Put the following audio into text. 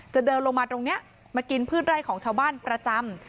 เดินลงมาตรงนี้มากินพืชไร่ของชาวบ้านประจำ